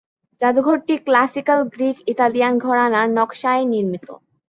জাদুঘরটি classical Greek Italian ঘরানার নকশায় নির্মিত।